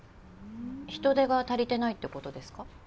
人手が足りてないってことですか？